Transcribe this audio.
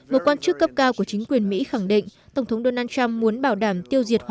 một quan chức cấp cao của chính quyền mỹ khẳng định tổng thống donald trump muốn bảo đảm tiêu diệt